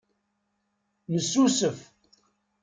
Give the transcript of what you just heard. Nessusef.